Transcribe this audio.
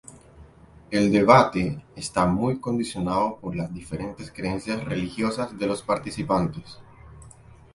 El debate está muy condicionado por las diferentes creencias religiosas de los participantes.